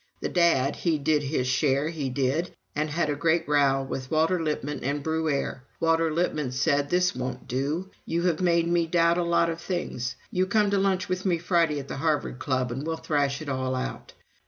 The Dad, he did his share, he did, and had a great row with Walter Lippmann and Bruère. Walter Lippmann said: 'This won't do you have made me doubt a lot of things. You come to lunch with me Friday at the Harvard Club and we'll thrash it all out.'